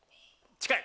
近い。